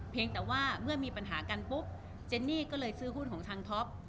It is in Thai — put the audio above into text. แต่ว่าเมื่อมีปัญหากันปุ๊บเจนนี่ก็เลยซื้อหุ้นของทางท็อป